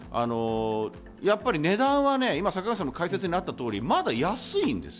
やっぱり値段は坂口さんの解説にあった通りまだ安いんです。